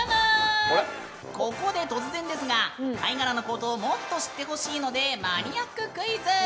ここで突然ですが貝殻のことをもっと知ってほしいのでマニアッククイズ！